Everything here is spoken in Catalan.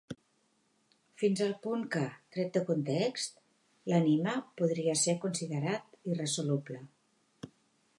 Fins al punt que, tret de context, l'enigma podria ser considerat irresoluble.